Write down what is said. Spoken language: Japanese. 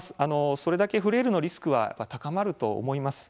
それだけフレイルのリスクは高まると思います。